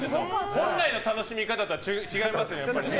本来の楽しみ方とは違いますよね。